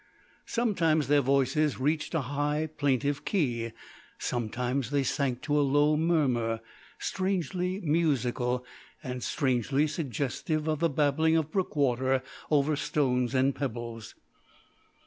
Sometimes their voices reached a high, plaintive key; sometimes they sank to a low murmur, strangely musical, and strangely suggestive of the babbling of brook water over stones and pebbles.